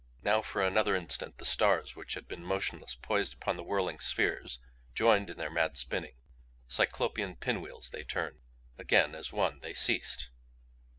Now for another instant the stars which had been motionless, poised upon the whirling spheres, joined in their mad spinning. Cyclopean pin wheels they turned; again as one they ceased.